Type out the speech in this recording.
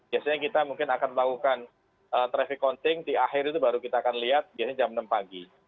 biasanya kita mungkin akan melakukan traffic counting di akhir itu baru kita akan lihat biasanya jam enam pagi